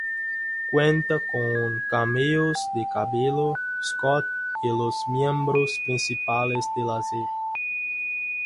Cuenta con cameos de Cabello, Scott y los miembros principales de Lazer.